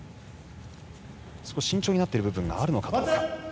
少し慎重になっている部分があるのか。